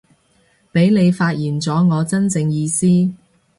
畀你發現咗我真正意思